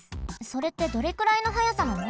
それってどれくらいの速さなの？